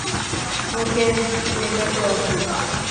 ওকে, এটা তো অদ্ভুত।